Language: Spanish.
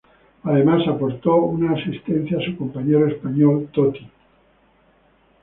Además aportó una asistencia a su compañero español Toti.